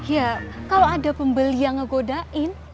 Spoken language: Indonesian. ya kalau ada pembeli yang ngegodain